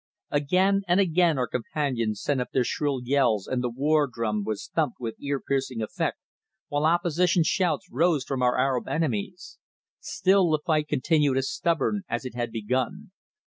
Again and again our companions sent up their shrill yells and the war drum was thumped with ear piercing effect, while opposition shouts rose from our Arab enemies. Still the fight continued as stubborn as it had begun.